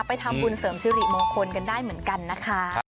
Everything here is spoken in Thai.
ไปทำบุญเสริมสิริมงคลกันได้เหมือนกันนะคะ